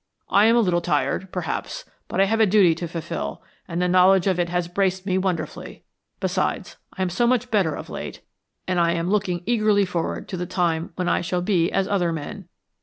"I am a little tired, perhaps, but I have a duty to fulfil, and the knowledge of it has braced me wonderfully. Besides, I am so much better of late, and I am looking eagerly forward to the time when I shall be as other men.